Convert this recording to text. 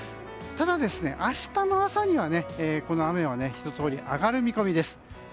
ただ、明日の朝にはこの雨はひととおり上がる見込みです。